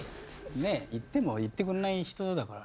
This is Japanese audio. ねえ言っても言ってくれない人だからね。